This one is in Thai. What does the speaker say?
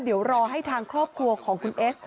เดี๋ยวรอให้ทางครอบครัวของคุณเอส